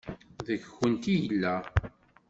Deg-kent i yella.